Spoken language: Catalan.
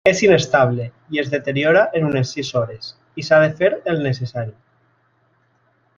És inestable i es deteriora en unes sis hores, i s'ha de fer el necessari.